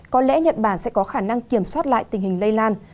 có lẽ nhật bản sẽ có khả năng kiểm soát lại tình hình lây lan